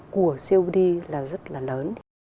của copd là rất là lớn